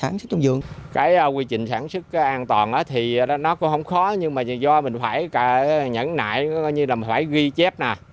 nó cũng không khó nhưng do mình phải nhẫn nại ghi chép